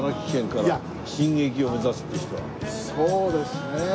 そうですね。